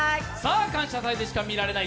「「感謝祭」でしか見られない！